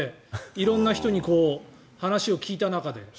色んな人に話を聞いた中で。